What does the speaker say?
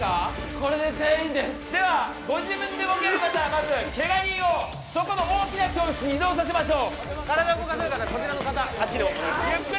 これで全員ですではご自分で動ける方はまずけが人をそこの大きな教室に移動させましょう体動かせる方こちらの方あっちにお願いします